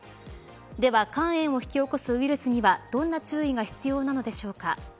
では肝炎を引き起こすウイルスにはどんな注意が必要なのでしょうか。